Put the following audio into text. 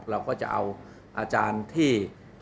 เราก็จะเอาอาจารย์ที่